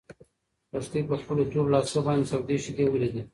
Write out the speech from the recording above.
لښتې په خپلو تورو لاسو باندې تودې شيدې ولیدې.